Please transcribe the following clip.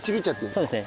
そうですね。